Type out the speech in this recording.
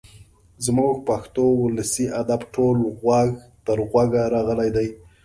زموږ پښتو ولسي ادب ټول غوږ تر غوږه راغلی دی.